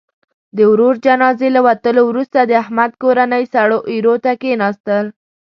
د ورور جنازې له وتلو وروسته، د احمد کورنۍ سړو ایرو ته کېناستل.